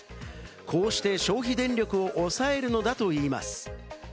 こうして消費電力を抑えるのだといいます。